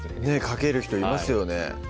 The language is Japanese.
かける人いますよね